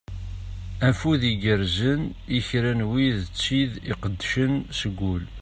Afud igerzen i kra n wid d tid iqeddcen seg ul.